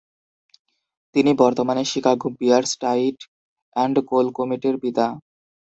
তিনি বর্তমান Chicago Bears tight end Cole কেমেটের পিতা।